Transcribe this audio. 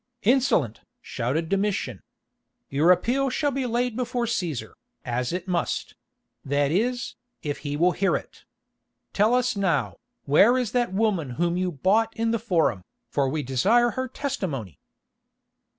"Insolent!" shouted Domitian. "Your appeal shall be laid before Cæsar, as it must—that is, if he will hear it. Tell us now, where is that woman whom you bought in the Forum, for we desire her testimony?"